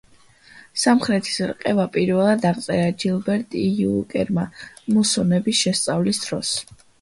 სამხრეთის რყევა პირველად აღწერა ჯილბერტ უოლკერმა მუსონების შესწავლის დროს.